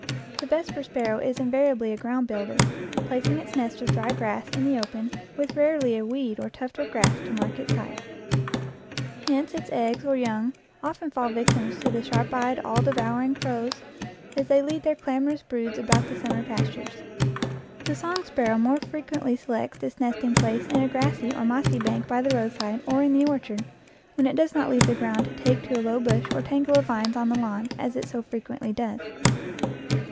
The vesper sparrow is invariably a ground builder, placing its nest of dry grass in the open with rarely a weed or tuft of grass to mark its site. EACH AFTER ITS KIND Hence its eggs or young often fall victims to the sharp eyed, all devouring crows, as they lead their clamorous broods about the summer pastures. The song sparrow more frequently selects its nesting place in a grassy or mossy bank by the roadside or in the orchard, when it does not leave the ground to take to a low bush or tangle of vines on the lawn, as it so frequently does.